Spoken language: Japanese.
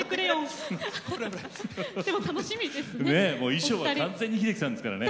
衣装は完全に秀樹さんですからね。